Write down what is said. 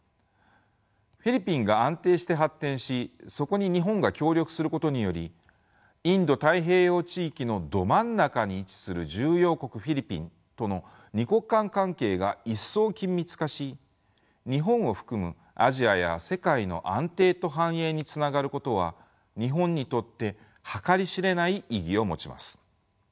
フィリピンが安定して発展しそこに日本が協力することによりインド太平洋地域のど真ん中に位置する重要国フィリピンとの二国間関係が一層緊密化し日本を含むアジアや世界の安定と繁栄につながることは日本にとって計り知れない意義を持ちます。